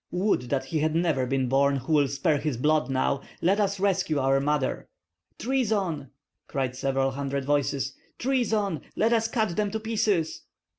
Would that he had never been born who will spare his blood now! Let us rescue our mother!" "Treason!" cried several hundred voices, "treason! Let us cut them to pieces."